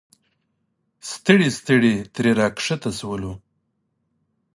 ستړي ستړي ترې راښکته شولو.